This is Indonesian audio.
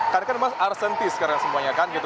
karena kan emang arsentis sekarang semuanya kan gitu